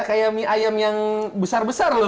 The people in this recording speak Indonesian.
kayak mie ayam yang besar besar loh